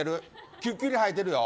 きっかり生えてるよ。